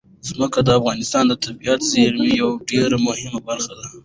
ځمکه د افغانستان د طبیعي زیرمو یوه ډېره مهمه برخه ده.